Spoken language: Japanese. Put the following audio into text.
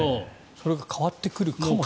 それが変わってくるかもしれない。